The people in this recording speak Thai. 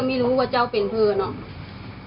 ไม่รู้ว่าเจ้าเป็นเพื่อนอ่ะ